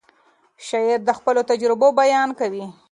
شاعر د خپلو تجربو بیان کوي.